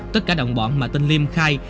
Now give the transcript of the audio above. tất cả đồng bọn mà tên liêm khai